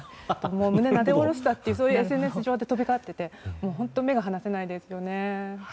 胸をなで下ろしたという声がＳＮＳ上で飛び交っていて本当に目が離せませんね。